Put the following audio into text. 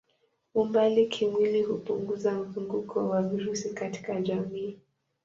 Umbali kimwili hupunguza mzunguko wa virusi katika jamii.